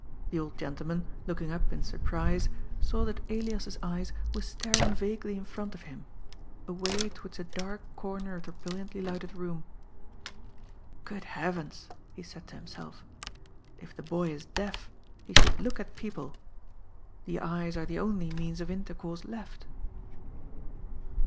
The old gentleman, looking up in surprise, saw that Elias's eyes were staring vaguely in front of him — ,away towards a dark comer of the brilliantly lighted room. " Good heavens !" he said to himself ;" if the boy is deaf, he should look at people. The eyes are the only means of intercourse left."